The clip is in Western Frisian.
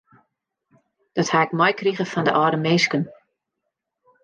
Dat ha ik meikrige fan de âlde minsken.